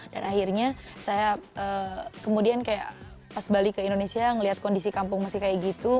dan akhirnya saya kemudian kayak pas balik ke indonesia ngelihat kondisi kampung masih kayak gitu